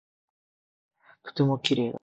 とても綺麗だ。